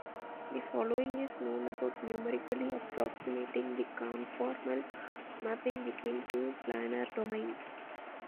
The following is known about numerically approximating the conformal mapping between two planar domains.